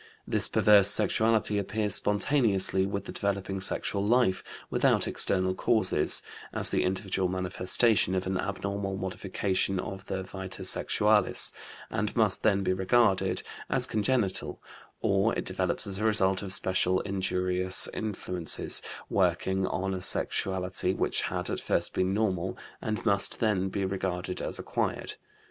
This perverse sexuality appears spontaneously with the developing sexual life, without external causes, as the individual manifestation of an abnormal modification of the vita sexualis, and must then be regarded as congenital; or it develops as a result of special injurious influences working on a sexuality which had at first been normal, and must then be regarded as acquired.